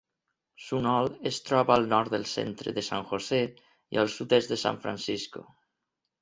Sunol es troba al nord del centre de San Jose i al sud-est de San Francisco.